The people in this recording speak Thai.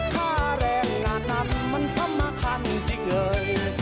ค่าแรงงานนั้นมันสำคัญจริงเลย